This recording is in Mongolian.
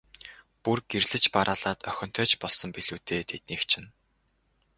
Бүр гэрлэж бараалаад охинтой ч болсон билүү дээ, тэднийх чинь.